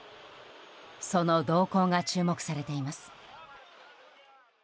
その動向が注目されています。